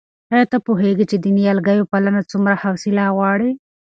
آیا ته پوهېږې چې د نیالګیو پالنه څومره حوصله غواړي؟